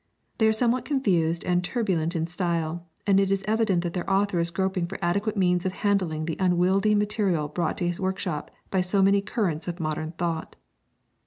They are somewhat confused and turbulent in style, and it is evident that their author is groping for adequate means of handling the unwieldy material brought to his workshop by so many currents of modern thought.